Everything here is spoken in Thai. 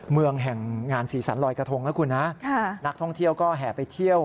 เมืองแห่งงานสีสันลอยกระทงนะคุณนะนักท่องเที่ยวก็แห่ไปเที่ยว